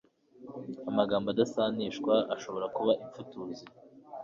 amagambo adasanishwa ashobora kuba imfutuzi